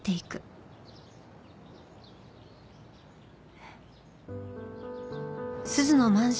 えっ？